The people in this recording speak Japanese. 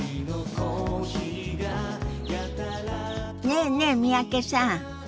ねえねえ三宅さん。